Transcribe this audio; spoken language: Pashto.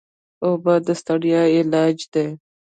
اوبه د ستړیا علاج دي.